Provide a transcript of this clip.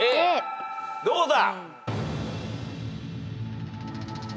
どうだ？